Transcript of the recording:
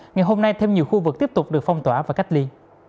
ngày hôm nay thêm nhiều khu vực tiếp tục được phong tỏa và cách ly